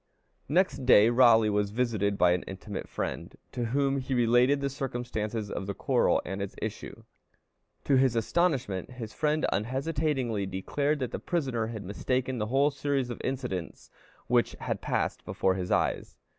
Next day Raleigh was visited by an intimate friend, to whom he related the circumstances of the quarrel and its issue. To his astonishment, his friend unhesitatingly declared that the prisoner had mistaken the whole series of incidents which had passed before his eyes.